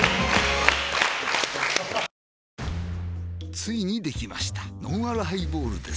ついにできましたのんあるハイボールです